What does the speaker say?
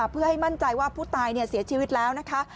เพื่อให้มั่นใจว่าผู้ตายเสียชีวิตแล้วนะคะ